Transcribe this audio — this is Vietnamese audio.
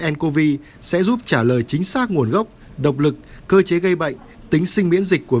ncov sẽ giúp trả lời chính xác nguồn gốc độc lực cơ chế gây bệnh tính sinh miễn dịch của